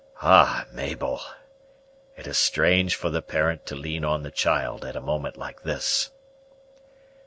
"Ah, Mabel! it is strange for the parent to lean on the child at a moment like this!"